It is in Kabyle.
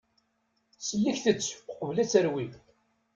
Sellket-tt uqbel ad terwi.